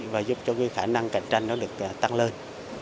và giúp cho cái khả năng cạnh tranh nó được tăng lên